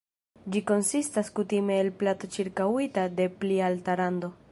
Ĝi konsistas kutime el plato ĉirkaŭita de pli alta rando.